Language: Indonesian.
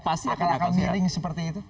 pasti akan miring seperti itu